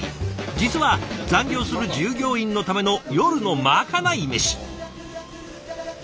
実は残業する従業員のための夜のまかないメシ。